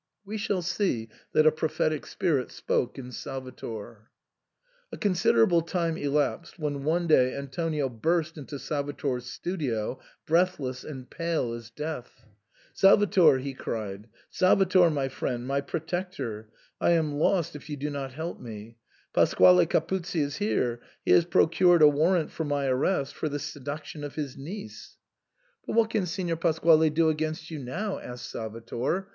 We shall see that a prophetic spirit spoke in Sal vator. A considerable time elapsed, when one day Antonio burst into Salvator's studio breathless and pale as death. " Salvator !" he cried, " Salvator, my friend, my pro tector ! I am lost if you do not help me. Pasquale Capuzzi is here ; he has procured a warrant for my ar rest for the seduction of his niece." IS6 SIGNOR FORMICA. '' But what can Signor Pasquale do against you now ?" asked Salvator.